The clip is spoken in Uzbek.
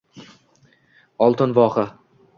Олтин воха